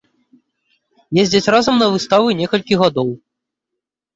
Ездзяць разам на выставы некалькі гадоў.